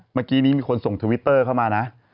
เมื่อกี้นี้มีคนส่งทวิตเตอร์เข้ามานะ